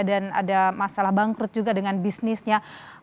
dan ada masalah bangkrut juga dengan bisnisnya